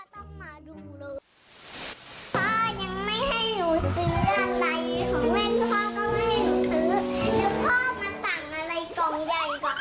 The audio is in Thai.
รู้ได้ไงว่าของพ่อ